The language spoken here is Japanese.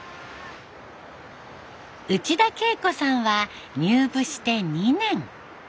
内田恵子さんは入部して２年。